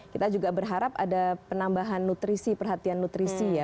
kita juga berharap ada penambahan nutrisi perhatian nutrisi ya